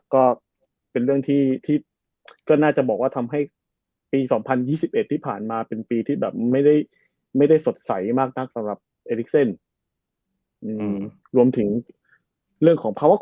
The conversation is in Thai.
ก็เป็นเรื่องที่ที่ก็น่าจะบอกว่าทำให้ปีสองพันยี่สิบเอ็ดที่ผ่านมาเป็นปีที่แบบไม่ได้ไม่ได้สดใสมากนักสำหรับเอริกเซนอืมรวมถึงเรื่องของ